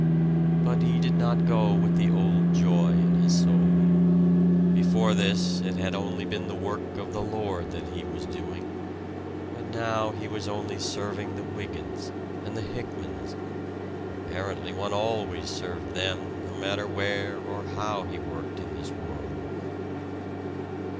But he did not go with the old joy in his soul. Before this it had been the work of the Lord that he had been doing; but now he was only serving the Wygants and the Hickmans apparently one always served them, no matter where or how he worked in this world.